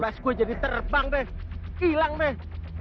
pas gue jadi terbang deh hilang deh